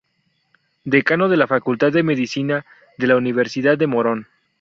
Decano de la Facultad de Medicina de la Universidad de Morón